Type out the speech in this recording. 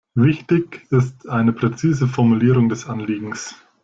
Wichtig ist eine präzise Formulierung des Anliegens.